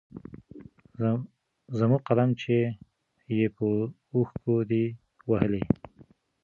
زموږ قلم چي يې په اوښکو دی وهلی